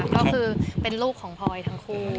ก็คือเป็นลูกของพลอยทั้งคู่